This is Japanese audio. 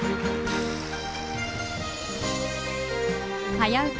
「はやウタ」